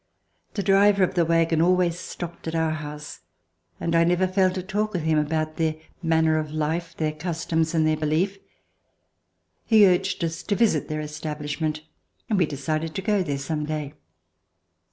The driver of the wagon always stopped at our house, and 1 never failed to talk with him about their manner of life, their customs, and their belief. He urged us to visit their establishment, and we decided to go there some day.